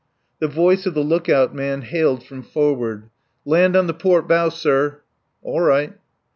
The voice of the look out man hailed from forward: "Land on the port bow, sir." "All right."